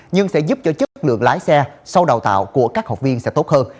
nhưng sẽ giúp cho chất lượng lái xe sau đào tạo của các học viên sẽ tốt hơn